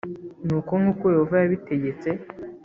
Nuko nk uko yehova yabitegetse